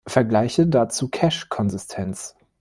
Vergleiche dazu Cache-Konsistenz.